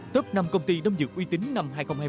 top năm công ty đông dược uy tín năm hai nghìn hai mươi